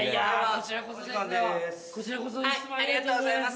こちらこそいつもありがとうございます。